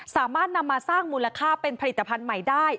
สามารถนำมาสร้างมูลค่าเป็นผลิตภัณฑ์ใหม่ได้